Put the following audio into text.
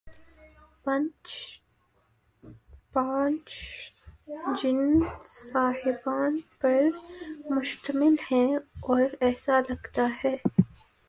Bench پانچ جج صاحبان پر مشتمل ہے، اور ایسا لگتا ہے۔